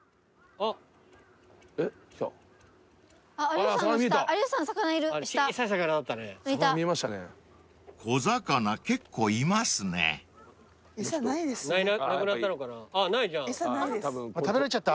あっ食べられちゃった？